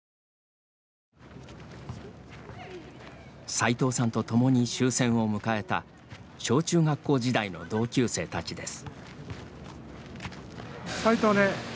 さいとうさんとともに終戦を迎えた小中学校時代の同級生たちです。